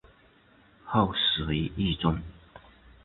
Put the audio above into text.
后死于狱中。